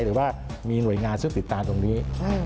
หรือว่ามีหน่วยงานซึ่งติดตามตรงนี้